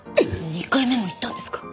２回目も行ったんですか？